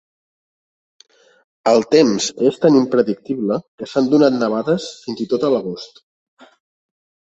El temps és tan impredictible que s'han donat nevades fins i tot a l'agost.